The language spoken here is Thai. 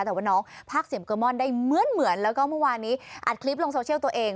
แต่ว่าน้องภาคเสียงเกอร์มอนได้เหมือนแล้วก็เมื่อวานนี้อัดคลิปลงโซเชียลตัวเอง